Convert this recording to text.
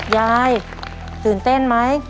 ยายตื่นเต้นไหม